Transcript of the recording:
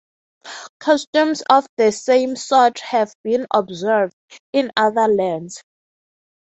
Customs of the same sort have been observed in other lands.